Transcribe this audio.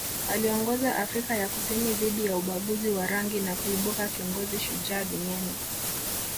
Aliiongoza Afrika ya Kusini dhidi ya ubaguzi wa rangi na kuibuka kiongozi shujaa duniani